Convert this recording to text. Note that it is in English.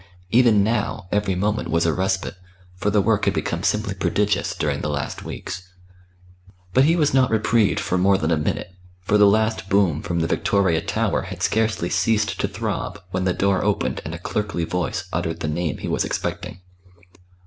Even now, every moment was a respite, for the work had become simply prodigious during the last weeks. But he was not reprieved for more than a minute, for the last boom from the Victoria Tower had scarcely ceased to throb when the door opened and a clerkly voice uttered the name he was expecting.